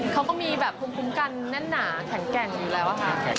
เขาก็มีแบบภูมิคุ้มกันแน่นหนาแข็งแกร่งอยู่แล้วค่ะ